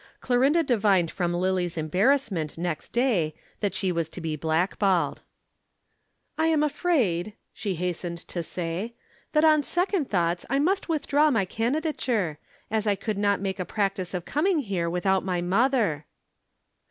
Clorinda divined from Lillie's embarrassment next day that she was to be blackballed. "I am afraid," she hastened to say, "that on second thoughts I must withdraw my candidature, as I could not make a practice of coming here without my mother."